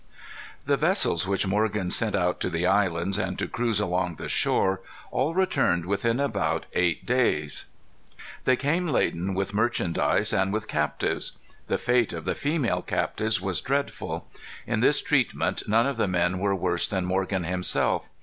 The vessels which Morgan sent out to the islands, and to cruise along the shore, all returned within about eight days. They came laden with merchandise and with captives. The fate of the female captives was dreadful. In this treatment none of the men were worse than Morgan himself.